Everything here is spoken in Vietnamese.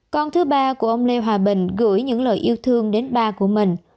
con thứ ba của ông lê hòa bình gửi những lời yêu thương đến ba của mình